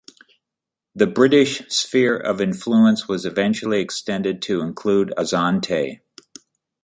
The British sphere of influence was eventually extended to include Asante.